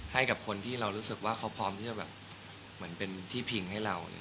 ให้กับคนที่เรารู้สึกว่าเขาพร้อมที่จะแบบเหมือนเป็นที่พิงให้เรา